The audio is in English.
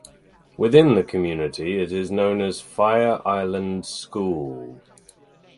Within the community it is known as the "Fire Island School".